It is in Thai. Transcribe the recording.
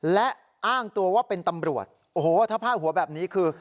และอ้างตัวว่าเป็นตำรวจโอ้โหถ้าพาดหัวแบบนี้คือ